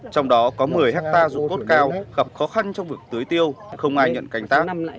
trong đó có một mươi hectare dụng cốt cao gặp khó khăn trong việc tưới tiêu không ai nhận canh tác